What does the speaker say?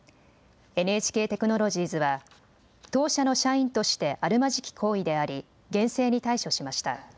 ＮＨＫテクノロジーズは当社の社員としてあるまじき行為であり厳正に対処しました。